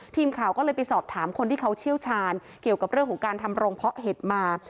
ทีมข่าวก็เลยไปสอบถามคนที่เขาเชี่ยวชาญเกี่ยวกับเรื่องของการทำโรงเพาะเห็ดมา